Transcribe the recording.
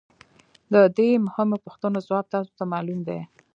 د دې مهمو پوښتنو ځواب تاسو ته معلوم دی